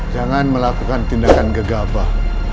jangan melakukan tindakan gegabah